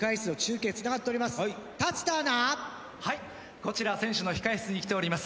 こちら選手の控え室に来ております。